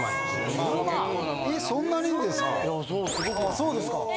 そうですか。